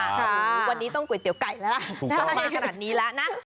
วันนี้ต้องก๋วยเตี๋ยไก่แล้วล่ะมาขนาดนี้แล้วนะ